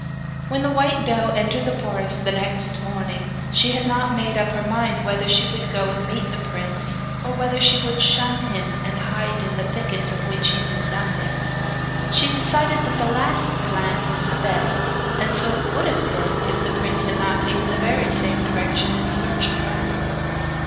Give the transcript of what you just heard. When the white doe entered the forest next morning, she had not made up her mind whether she would go and meet the prince, or whether she would shun him, and hide in thickets of which he knew nothing. She decided that the last plan was the best; and so it would have been if the prince had not taken the very same direction in search of her.